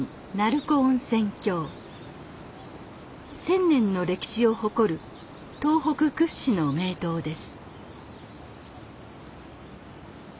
１，０００年の歴史を誇る東北屈指の名湯です。